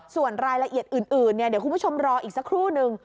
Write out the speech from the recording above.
ส่วนรายละเอียดอื่นเดี๋ยวคุณผู้ชมรออีกสักครู่นึง